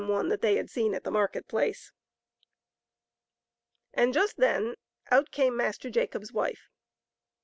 one that they had seen at the market place! And just then out came Master Jacob's wife.